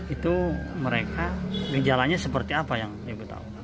itu mereka gejalanya seperti apa yang diketahui